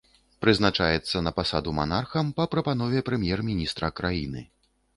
Прызначаецца на пасаду манархам па прапанове прэм'ер-міністра краіны.